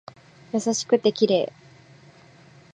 優しくて綺麗